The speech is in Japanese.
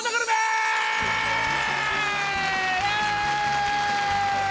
イエーイ！